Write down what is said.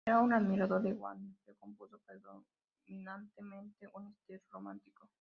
Era un admirador de Wagner, pero compuso predominantemente en estilo Romántico.